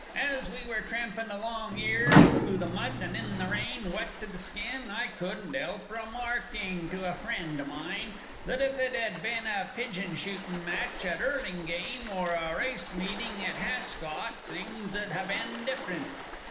As we were tramping along 'ere, through the mud and in the rain, wet to the skin, I couldn't 'elp remarking to a friend o' mine, that if it had been a pidging shootin' match at Urlingham, or a Race meeting at Hascot, things 'ud ha' been diff'rent!